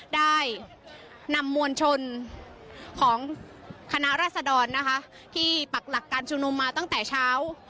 ได้นำมวลชนของคณะรัศดรนะคะที่ปักหลักการชุมนุมมาตั้งแต่เช้า